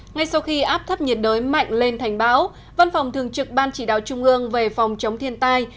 ngay sau khi áp thấp nhiệt đới mạnh lên thành bão văn phòng thường trực ban chỉ đạo trung ương về phòng chống thiên tai